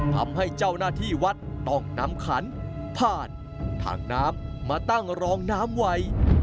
ทำให้เจ้าหน้าที่วัดต้องนำขันผ่านทางน้ำมาตั้งรองน้ำไว้